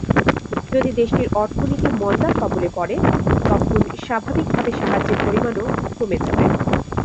যদি দেশটির অর্থনীতি মন্দার কবলে পড়ে, তখন স্বাভাবিকভাবে সাহায্যের পরিমাণও কমে যাবে।